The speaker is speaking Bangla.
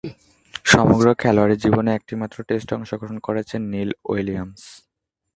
সমগ্র খেলোয়াড়ী জীবনে একটিমাত্র টেস্টে অংশগ্রহণ করেছেন নীল উইলিয়ামস।